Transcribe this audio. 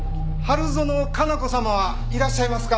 春薗加奈子様はいらっしゃいますか？